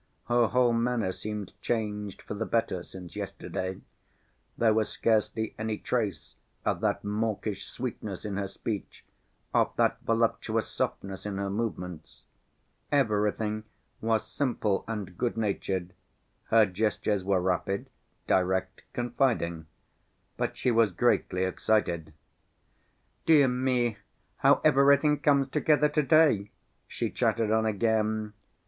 Her whole manner seemed changed for the better since yesterday, there was scarcely any trace of that mawkish sweetness in her speech, of that voluptuous softness in her movements. Everything was simple and good‐natured, her gestures were rapid, direct, confiding, but she was greatly excited. "Dear me, how everything comes together to‐day!" she chattered on again.